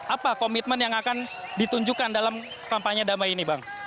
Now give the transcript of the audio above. apa komitmen yang akan ditunjukkan dalam kampanye damai ini bang